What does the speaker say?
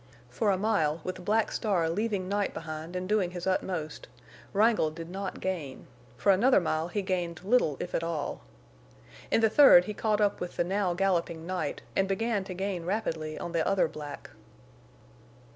For a mile, with Black Star leaving Night behind and doing his utmost, Wrangle did not gain; for another mile he gained little, if at all. In the third he caught up with the now galloping Night and began to gain rapidly on the other black.